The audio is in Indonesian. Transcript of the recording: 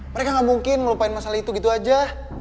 mereka gak mungkin melupain masalah itu gitu aja